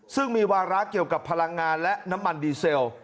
ซึ่งมีวาระเกี่ยวกับพลังงานและน้ำมันดีเซล